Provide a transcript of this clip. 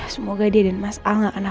semoga dia dan mas al gak kenapa napa